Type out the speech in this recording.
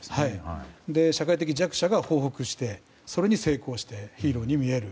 社会的弱者が報復してそれに成功してヒーローに見える。